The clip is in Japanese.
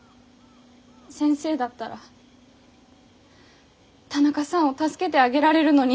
先生だったら田中さんを助けてあげられるのに。